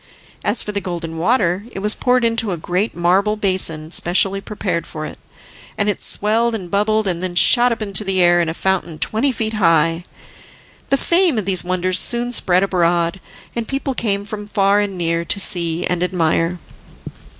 As for the Golden Water it was poured into a great marble basin specially prepared for it, and it swelled and bubbled and then shot up into the air in a fountain twenty feet high. The fame of these wonders soon spread abroad, and people came from far and near to see and admire.